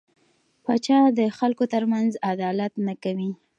پاچا د خلکو ترمنځ عدالت نه کوي .